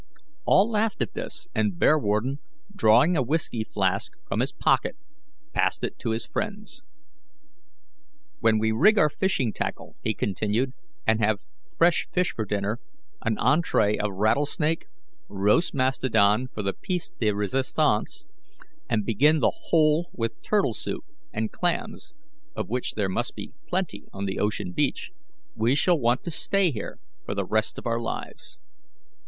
All laughed at this, and Bearwarden, drawing a whiskey flask from his pocket, passed it to his friends. "When we rig our fishing tackle," he continued, "and have fresh fish for dinner, an entree of rattlesnake, roast mastodon for the piece de resistance, and begin the whole with turtle soup and clams, of which there must be plenty on the ocean beach, we shall want to stay here the rest of our lives."